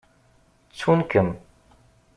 Ttun-kem.